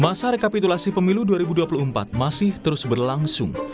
masa rekapitulasi pemilu dua ribu dua puluh empat masih terus berlangsung